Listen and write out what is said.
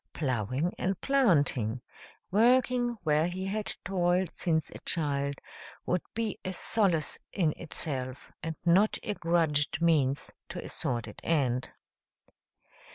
"Plowing and planting" working where he had toiled since a child would be a solace in itself, and not a grudged means to a sordid end.